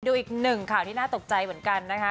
ดูอีกหนึ่งข่าวที่น่าตกใจเหมือนกันนะคะ